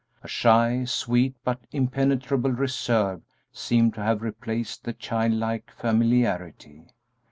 A shy, sweet, but impenetrable reserve seemed to have replaced the childlike familiarity.